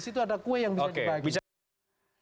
dan disitu ada kue yang bisa dibagi